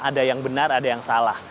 ada yang benar ada yang salah